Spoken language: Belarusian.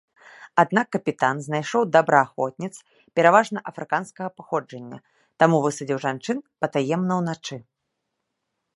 Аднак капітан знайшоў добраахвотніц пераважна афрыканскага паходжання, таму высадзіў жанчын патаемна ўначы.